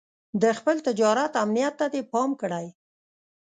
د خپل تجارت امنيت ته دې پام کړی.